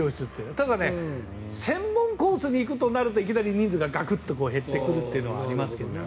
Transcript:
ただ、専門コースに行くとなるといきなり人数がガクッと減ってくることはありますけどね。